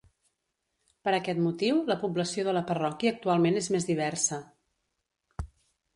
Per aquest motiu, la població de la parròquia actualment és més diversa.